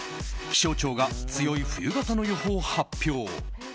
気象庁が強い冬型の予報発表。